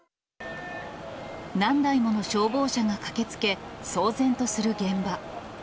何台もの消防車が駆けつけ、騒然とする現場。